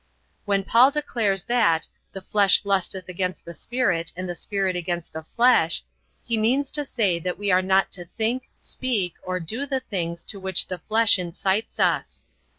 When Paul declares that "the flesh lusteth against the Spirit, and the Spirit against the flesh," he means to say that we are not to think, speak or do the things to which the flesh incites us.